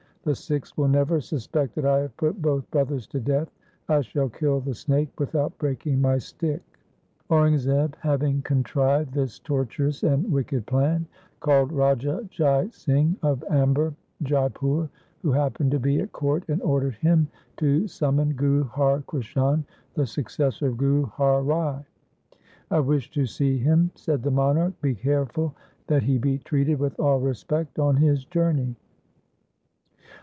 The Sikhs will never suspect that I have put both brothers to death. I shall kill the snake without breaking my stick.' Aurangzeb having contrived this tortuous and wicked plan, called Raja Jai Singh of Amber (Jaipur) who happened to be at court and ordered him to summon Guru Har Krishan the successor of Guru Har Rai. ' I wish to see him,' said the monarch, ' be careful that he be treated with all respect on his journey.'